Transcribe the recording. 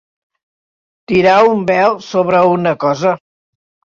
Tirar un vel sobre una cosa.